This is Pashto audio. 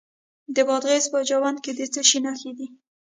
د بادغیس په جوند کې د څه شي نښې دي؟